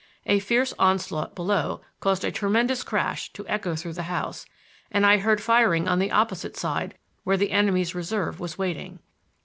A fierce onslaught below caused a tremendous crash to echo through the house, and I heard firing on the opposite side, where the enemy's reserve was waiting.